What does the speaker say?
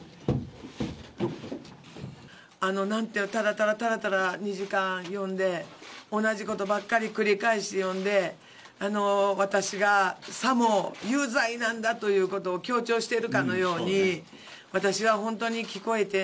なんて、たらたらたらたら２時間読んで、同じことばっかり繰り返して読んで、私がさも有罪なんだということを強調しているかのように、私は本当に聞こえて。